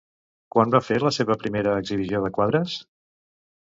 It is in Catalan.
Quan va fer la seva primera exhibició de quadres?